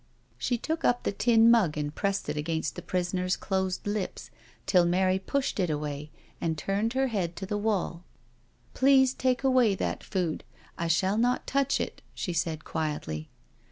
She took up the tin mug and pressed it against the prisoner's closed lips, till Mary pushed it away and turned her head to the waUt IN THE PUNISHMENT CELL 27s Please take away that food^I shall not touch it," she said quietly.